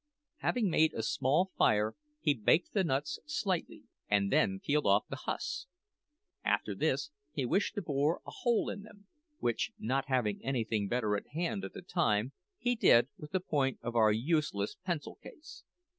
Having made a small fire, he baked the nuts slightly and then peeled off the husks. After this he wished to bore a hole in them, which, not having anything better at hand at the time, he did with the point of our useless pencil case.